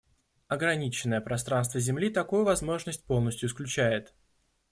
Ограниченное пространство Земли такую возможность полностью исключает.